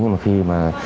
nhưng mà khi mà